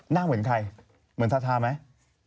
เหมือนใครเหมือนทาทาไหม